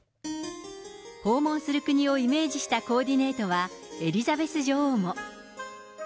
訪問する国をイメージしたコーディネートは、エリザベス女王も。